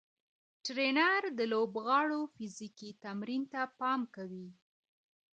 ټرېنر د لوبغاړو فزیکي تمرین ته پام کوي.